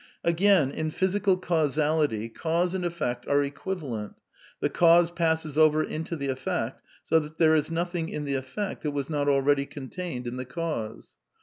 Again, in physical causality, cause and effect are equiva lent ; the cause passes over into the effect, so that there is nothing in the effect that was not already contained in the cause.